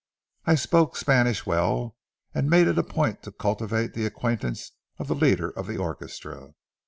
I spoke Spanish well, and made it a point to cultivate the acquaintance of the leader of the orchestra.